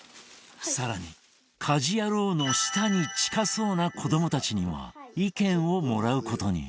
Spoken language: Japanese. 更に家事ヤロウの舌に近そうな子どもたちにも意見をもらう事に